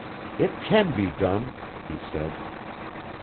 "It can be done," he said.